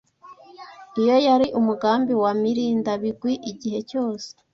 Iyo yari umugambi wa Murindabigwi igihe cyose.